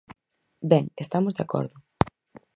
Ben, estamos de acordo.